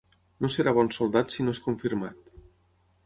No serà bon soldat si no és confirmat.